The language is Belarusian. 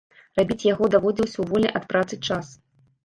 Рабіць яго даводзілася ў вольны ад працы час.